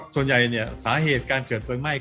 ส่วนใหญ่เนี่ยสาเหตุการเกิดเพลิงไหม้